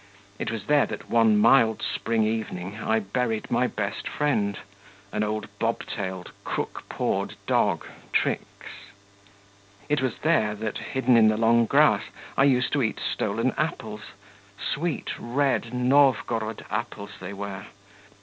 It was there that one mild spring evening I buried my best friend, an old bob tailed, crook pawed dog, Trix. It was there that, hidden in the long grass, I used to eat stolen apples sweet, red, Novgorod apples they were.